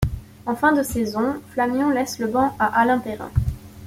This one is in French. En fin de saison, Flamion laisse le banc à Alain Perrin.